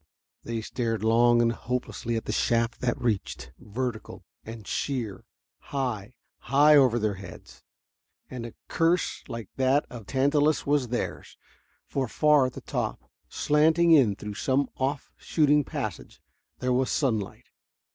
They stared long and hopelessly at the shaft that reached, vertical and sheer, high, high over their heads. And a curse like that of Tantalus was theirs. For, far at the top, slanting in through some off shooting passage, there was sunlight.